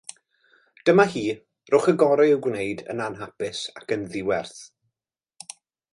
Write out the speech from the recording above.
Dyma hi: rhowch y gorau i'w gwneud yn anhapus ac yn ddiwerth.